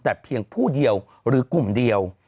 แต่เพียงผู้เดียวหรือกลุ่มเดียว